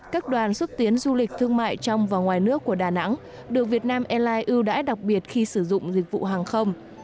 các đoàn xúc tiến du lịch thương mại trong và ngoài nước của đà nẵng được việt nam airlines ưu đãi đặc biệt khi sử dụng dịch vụ hàng không